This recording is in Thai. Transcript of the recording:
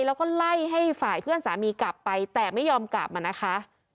แล้วก็ไล่ให้ฝ่ายเพื่อนสามีกลับไปแต่ไม่ยอมกลับมานะคะ